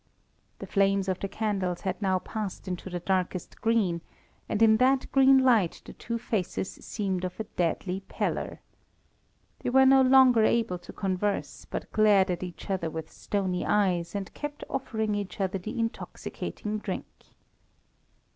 The flames of the candles had now passed into the darkest green, and in that green light the two faces seemed of a deadly pallor. They were no longer able to converse, but glared at each other with stony eyes, and kept offering each other the intoxicating drink.